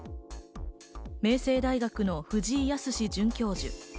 明星大学の藤井靖准教授。